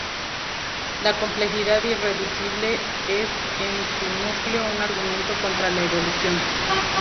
La complejidad irreducible es en su núcleo un argumento contra la evolución.